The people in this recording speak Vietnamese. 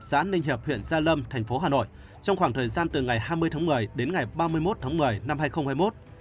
xã ninh hiệp huyện gia lâm thành phố hà nội trong khoảng thời gian từ ngày hai mươi tháng một mươi đến ngày ba mươi một tháng một mươi năm hai nghìn hai mươi một